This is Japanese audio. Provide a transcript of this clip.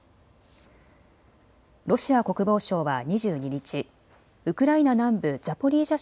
ロシア国防省は２２日、ウクライナ南部ザポリージャ